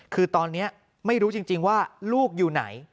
คือตอนนี้ไม่รู้จริงว่าลูกอยู่ไหน